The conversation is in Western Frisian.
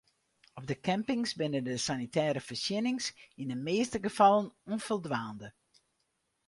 Op de campings binne de sanitêre foarsjenningen yn de measte gefallen ûnfoldwaande.